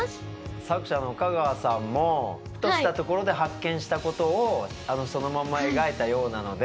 作者の香川さんもふとしたところで発見したことをそのまま描いたようなので。